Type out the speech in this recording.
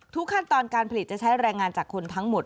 ขั้นตอนการผลิตจะใช้แรงงานจากคนทั้งหมด